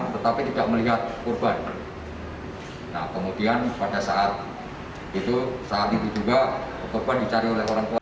tetapi tidak melihat korban kemudian pada saat itu saat itu juga korban dicari oleh orang tua